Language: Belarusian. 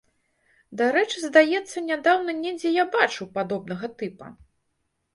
Дарэчы, здаецца, нядаўна недзе я бачыў падобнага тыпа.